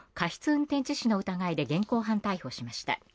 運転致死の疑いで現行犯逮捕しました。